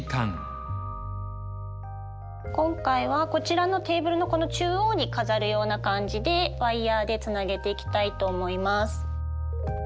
今回はこちらのテーブルのこの中央に飾るような感じでワイヤーでつなげていきたいと思います。